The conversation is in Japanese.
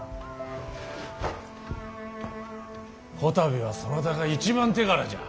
こたびはそなたが一番手柄じゃ。